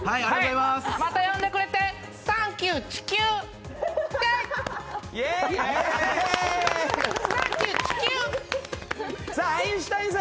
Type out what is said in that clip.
また呼んでくれてサンキュー、地球！